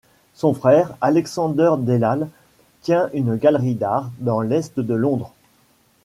Son frère, Alexander Dellal, tient une galerie d'art dans l'est de Londres.